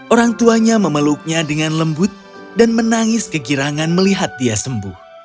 orang tuanya memeluknya dengan lembut dan menangis kegirangan melihat dia sembuh